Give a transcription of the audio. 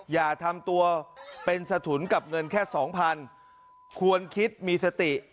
อย่าทำตัวเป็นสถุนกับเงินแค่สองพันควรคิดมีสติ